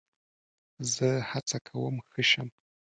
زه هڅه کوم ښه شم.